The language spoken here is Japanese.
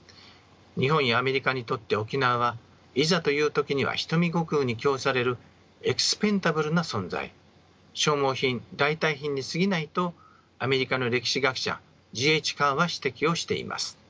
日本やアメリカにとって沖縄はいざという時には人身御供に供されるＥｘｐｅｎｄａｂｌｅな存在消耗品代替品にすぎないとアメリカの歴史学者Ｇ・Ｈ・カーは指摘をしています。